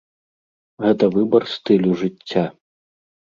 Гэта выбар стылю жыцця.